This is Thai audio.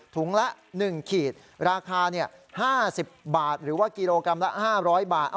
ถุงละ๑ขีดราคา๕๐บาทหรือว่ากิโลกรัมละ๕๐๐บาท